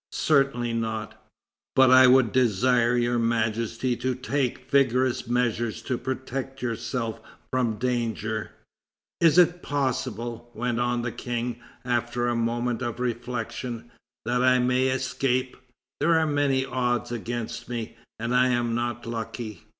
"Certainly not, but I would desire Your Majesty to take vigorous measures to protect yourself from danger." "It is possible," went on the King after a moment of reflection, "that I may escape. There are many odds against me, and I am not lucky.